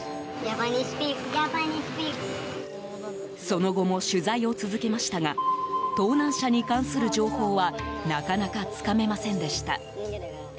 その後も取材を続けましたが盗難車に関する情報はなかなかつかめませんでした。